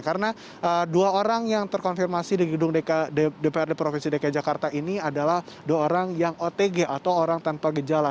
karena dua orang yang terkonfirmasi di gedung dprd provinsi dki jakarta ini adalah dua orang yang otg atau orang tanpa gejala